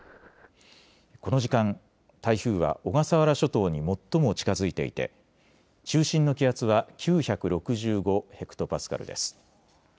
この時間、台風は小笠原諸島に最も近づいていて中心の気圧は９６５ｈＰａです。